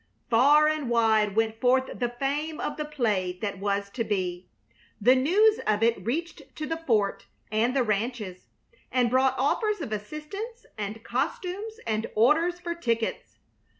Far and wide went forth the fame of the play that was to be. The news of it reached to the fort and the ranches, and brought offers of assistance and costumes and orders for tickets.